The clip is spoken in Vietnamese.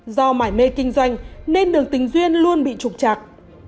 do mải mê kinh doanh nên đường tình duyên luôn bị trục trạc